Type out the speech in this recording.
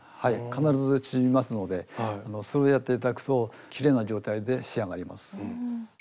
必ず縮みますのでそれをやって頂くときれいな状態で仕上がります。